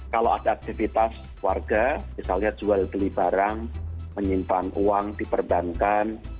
kalau ada aktivitas warga misalnya jual beli barang menyimpan uang di perbankan